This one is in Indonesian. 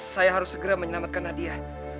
saya harus segera menyelamatkan hadiah